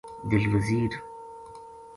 دل وزیر